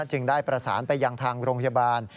จึงได้ประสานไปยังทางโรงพยาบาล